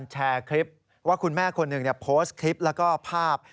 แชร์คลิปว่าคุณแม่คนหนึ่งโพสต์คลิปแล้วก็ภาพ